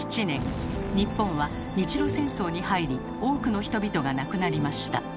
日本は日露戦争に入り多くの人々が亡くなりました。